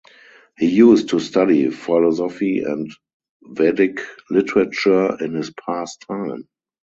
He used to study Philosophy and Vedic literature in his past time.